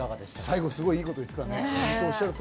最後、いいこと言ってたね。